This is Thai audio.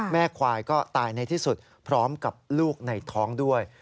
แม่ควายก็ตายในที่สุดพร้อมกับลูกในท้องด้วย